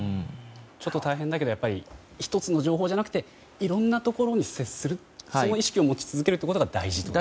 ちょっと大変だけど１つの情報じゃなくていろんなところに接する意識を持ち続けること大事だと。